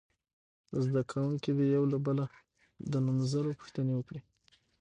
زده کوونکي دې یو له بله د نومځرو پوښتنې وکړي.